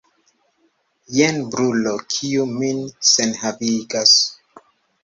Jen brulo, kiu min senhavigas.